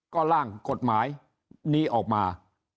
ก็ล่างกฎหมายนี้ออกมา